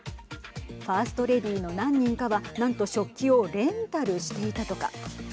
ファーストレディーの何人かは何と食器をレンタルしていたとか。